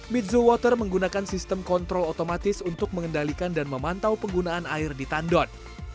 mizo water menggunakan sistem kontrol otomatis untuk mengendalikan dan memantau penggunaan air di tandon